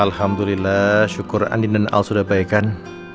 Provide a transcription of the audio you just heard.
alhamdulillah syukur andin dan al sudah baik an